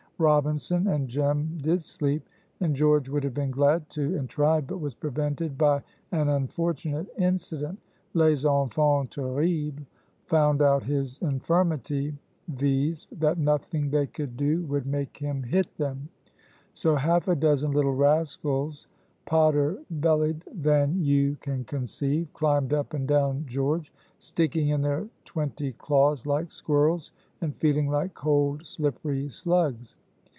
Robinson and Jem did sleep, and George would have been glad to, and tried, but was prevented by an unfortunate incident les enfans terribles found out his infirmity, viz., that nothing they could do would make him hit them. So half a dozen little rascals, potter bellied than you can conceive, climbed up and down George, sticking in their twenty claws like squirrels, and feeling like cold, slippery slugs.